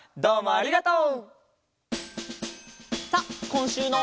ありがとう。